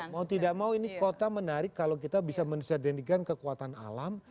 mau tidak mau ini kota menarik kalau kita bisa menserdikan kekuatan alam